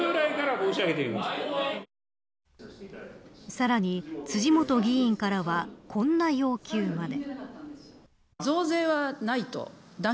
さらに辻元議員からはこんな要求まで。